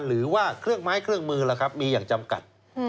หรือว่าเครื่องไม้เครื่องมือล่ะครับมีอย่างจำกัด